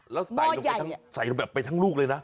แล้วใส่ลงไปทั้งลูกเลยนะ